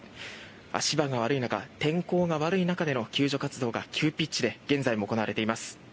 足場が悪い中天候が悪い中での救助活動が急ピッチで現在も行われています。